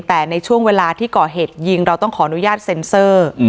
แต่ในช่วงเวลาที่ก่อเหตุยิงเราต้องขออนุญาตเซ็นเซอร์